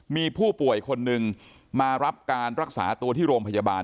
มีผู้ป่วยคนหนึ่งมารับการรักษาตัวที่โรงพยาบาล